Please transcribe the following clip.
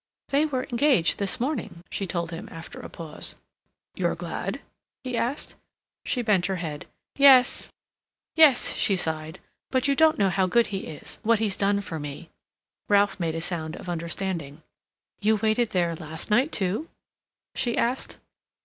"They were engaged this morning," she told him, after a pause. "You're glad?" he asked. She bent her head. "Yes, yes," she sighed. "But you don't know how good he is—what he's done for me—" Ralph made a sound of understanding. "You waited there last night too?" she asked.